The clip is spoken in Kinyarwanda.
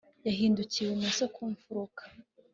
yahindukiye ibumoso ku mfuruka